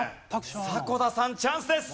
迫田さんチャンスです。